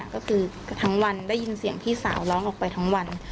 ก็คือทั้งวันได้ยินเสียงพี่สาวร้องออกไปทั้งวัน